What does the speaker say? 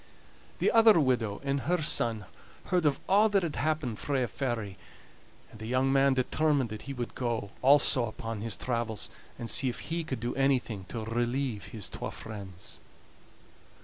The other widow and her son heard of a' that had happened frae a fairy, and the young man determined that he would also go upon his travels, and see if he could do anything to relieve his twa friends.